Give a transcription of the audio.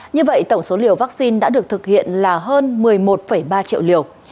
như vậy tổng số liều vaccine đã được thực hiện là hơn một mươi một ba triệu liều